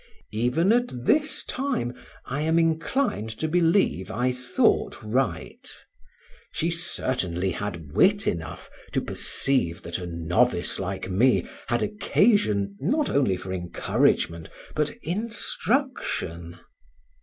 Even at this time, I am inclined to believe I thought right; she certainly had wit enough to perceive that a novice like me had occasion, not only for encouragement but instruction.